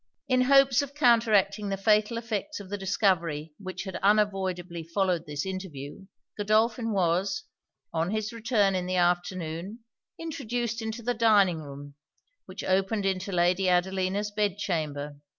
In hopes of counteracting the fatal effects of the discovery which had unavoidably followed this interview, Godolphin was, on his return in the afternoon, introduced into the dining room, which opened into Lady Adelina's bed chamber.